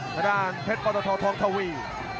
ข้างด้านเพชรพันธธรทองทวี